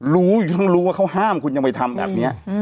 รู้อยู่ทั้งรู้ว่าเขาห้ามคุณยังไปทำแบบนี้